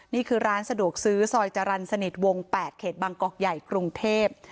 นี่คือร้านสะดวกซื้อซอยจรรย์สนิทวง๘เขตบางกอกใหญ่กรุงเทพ